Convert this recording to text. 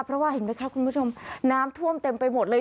เพราะว่าเห็นไหมครับคุณผู้ชมน้ำท่วมเต็มไปหมดเลย